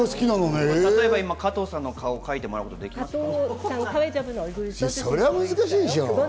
例えば加藤さんの顔を描いてもらうことはできますか？